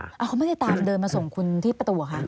เขาไม่ได้ตามเดินมาส่งคุณที่ประตูเหรอคะ